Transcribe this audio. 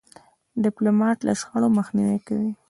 ډيپلومات له شخړو مخنیوی کوي.